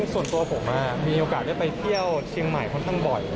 ส่วนตัวผมมีโอกาสได้ไปเที่ยวเชียงใหม่ค่อนข้างบ่อย